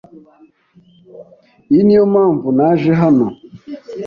Iyi niyo mpamvu naje hano.